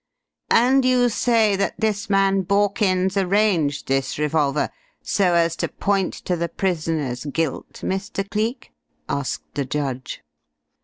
"And you say that this man Borkins arranged this revolver so as to point to the prisoner's guilt, Mr. Cleek?" asked the judge.